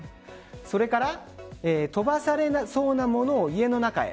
それから飛ばされそうなものを家の中へ。